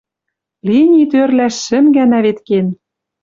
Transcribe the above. Линий тӧрлӓш шӹм гӓнӓ вет кен.